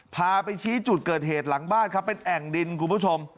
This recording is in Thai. พาไปชี้จุดเกิดเหตุหลังบ้านครับเป็นแอ่งดินคุณผู้ชม